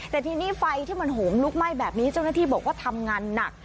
แต่ทีนี้ไฟที่มันโหมลุกไหม้แบบนี้เจ้าหน้าที่บอกว่าทำงานหนัก